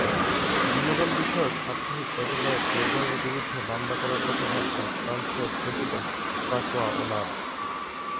বিনোদনবিষয়ক সাপ্তাহিক ট্যাবলয়েড ক্লোজার-এর বিরুদ্ধে মামলা করার কথা ভাবছেন ফ্রান্সের প্রেসিডেন্ট ফ্রাঁসোয়া ওলাঁদ।